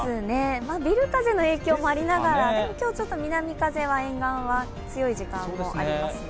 ビル風の影響もありながら、でも今日、ちょっと南風は沿岸は強い時間もありますね。